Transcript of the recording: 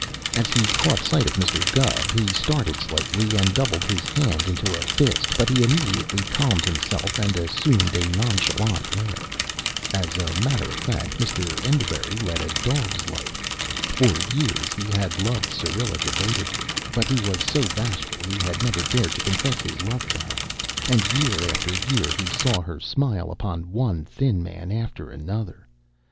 As he caught sight of Mr. Gubb, he started slightly and doubled his hand into a fist, but he immediately calmed himself and assumed a nonchalant air. As a matter of fact, Mr. Enderbury led a dog's life. For years he had loved Syrilla devotedly, but he was so bashful he had never dared to confess his love to her, and year after year he saw her smile upon one thin man after another.